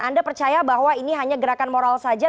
anda percaya bahwa ini hanya gerakan moral saja